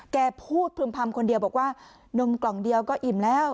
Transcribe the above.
แกพูดพรึ่มพำคนเดียวบอกว่านมกล่องเดียวก็อิ่มแล้ว